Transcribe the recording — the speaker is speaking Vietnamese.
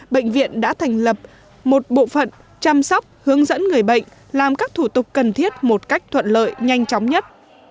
bệnh viện đã thành lập một bộ phận chăm sóc hướng dẫn người bệnh làm các thủ tục cần thiết một cách thuận lợi nhanh chóng nhất